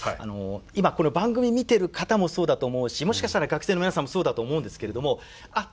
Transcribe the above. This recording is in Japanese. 今この番組見てる方もそうだと思うしもしかしたら学生の皆さんもそうだと思うんですけれどもあっ